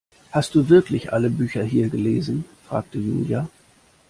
Hast du wirklich alle Bücher hier gelesen, fragte Julia.